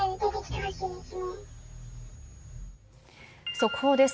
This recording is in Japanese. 速報です。